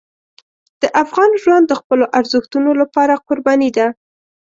د افغان ژوند د خپلو ارزښتونو لپاره قرباني ده.